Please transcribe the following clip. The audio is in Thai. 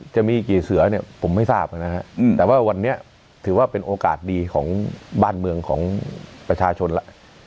จะมีกี่เสือเนี่ยผมไม่ทราบนะฮะแต่ว่าวันนี้ถือว่าเป็นโอกาสดีของบ้านเมืองของประชาชนแล้ว